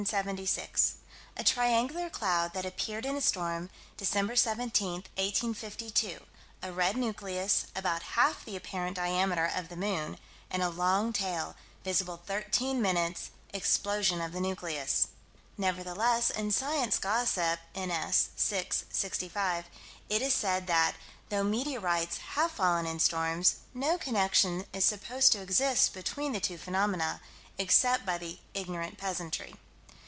Soc. Proc._, 6 276: A triangular cloud that appeared in a storm, Dec. 17, 1852; a red nucleus, about half the apparent diameter of the moon, and a long tail; visible 13 minutes; explosion of the nucleus. Nevertheless, in Science Gossip, n.s., 6 65, it is said that, though meteorites have fallen in storms, no connection is supposed to exist between the two phenomena, except by the ignorant peasantry.